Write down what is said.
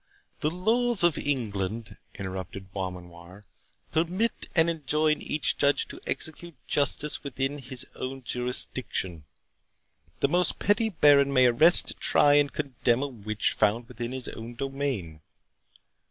"The laws of England," interrupted Beaumanoir, "permit and enjoin each judge to execute justice within his own jurisdiction. The most petty baron may arrest, try, and condemn a witch found within his own domain.